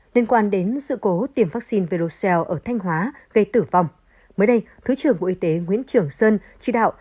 liên quan đến sự cố tiêm vaccine verocell ở thanh hóa gây tử vong mới đây thứ trưởng bộ y tế nguyễn trường sơn chỉ đạo